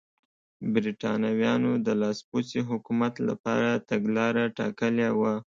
برېټانویانو د لاسپوڅي حکومت لپاره تګلاره ټاکلې وه.